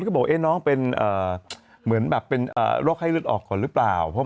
ก็บอกน้องเป็นเหมือนแบบเป็นโรคไข้เลือดออกก่อนหรือเปล่า